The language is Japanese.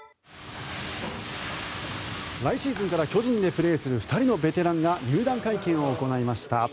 来シーズンから巨人でプレーする２人のベテランが入団会見を行いました。